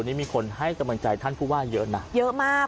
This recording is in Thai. วันนี้มีคนให้กำลังใจท่านผู้ว่าเยอะนะเยอะมาก